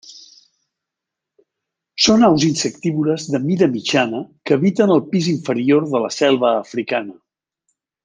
Són aus insectívores de mida mitjana que habiten el pis inferior de la selva africana.